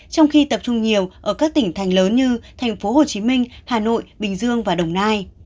trong khi tập trung nhiều ở các tỉnh thành lớn như thành phố hồ chí minh hà nội bình dương và đồng nai